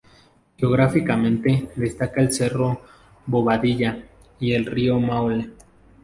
Geográficamente, destaca el cerro "Bobadilla" y el Río Maule.